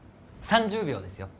３０秒ですよ